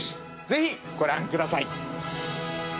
ぜひ、ご覧ください。